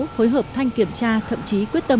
phối hợp thanh kiểm tra thậm chí quyết tâm